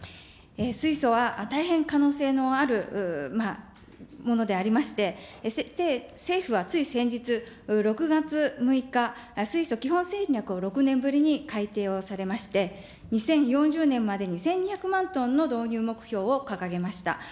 水素は大変可能性のあるものでありまして、政府はつい先日、６月６日、水素基本戦略を６年ぶりに改訂をされまして、２０４０年までに１２００万トンの導入目標を掲げました。